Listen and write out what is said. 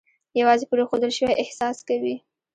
یوازې پرېښودل شوی احساس کوي.